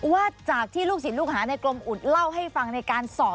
ว่าจากที่ลูกศิษย์ลูกหาในกรมอุดเล่าให้ฟังในการสอบ